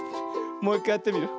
もういっかいやってみるよ。